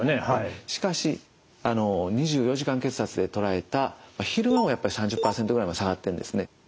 しかし２４時間血圧で捉えた昼間もやっぱり３０％ぐらいまで下がってるんですね。